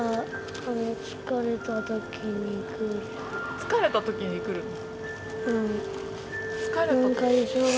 疲れた時に来るの？